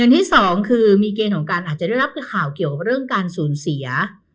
ที่๒มีเกณฑ์ของการหาดได้รับการสูญเสีย